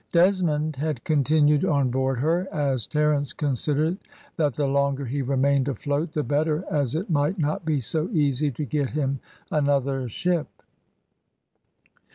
Desmond had continued on board her, as Terence considered that the longer he remained afloat the better, as it might not be so easy to get him another ship.